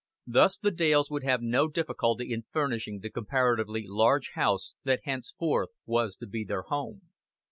Thus the Dales would have no difficulty in furnishing the comparatively large house that henceforth was to be their home.